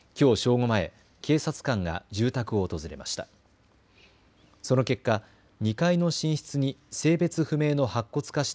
午前、警察官が住宅を訪れました。